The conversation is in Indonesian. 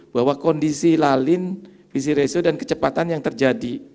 bahwa kondisi lalin visi resio dan kecepatan yang terjadi